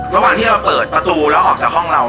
ระหว่างที่เราเปิดประตูแล้วออกจากห้องเรา